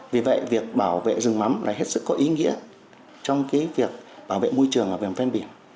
vì vậy việc bảo vệ rừng mắm là hết sức có ý nghĩa trong cái việc bảo vệ môi trường ở bên biển